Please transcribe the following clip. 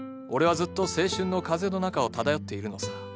俺はずっと青春の風の中を漂っているのさ。